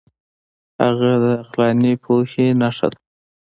هغه د عقلاني پوهې نښه ده.